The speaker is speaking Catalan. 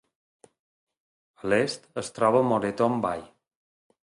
A l'est es troba Moreton Bay.